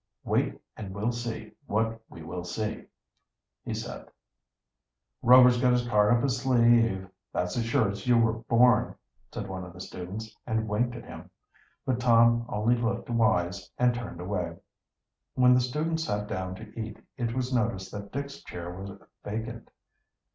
"Wait and we'll see what we will see," he said "Rover's got a card up his sleeve, that's as sure as you're born," said one of the students, and winked at Tom. But Tom only looked wise and turned away. When the students sat down to eat it was noticed that Dick's chair was vacant.